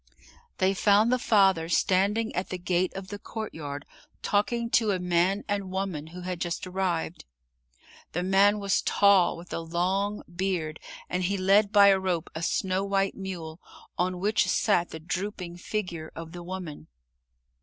They found the father standing at the gate of the courtyard, talking to a man and woman who had just arrived. The man was tall, with a long beard, and he led by a rope a snow white mule, on which sat the drooping figure of the woman.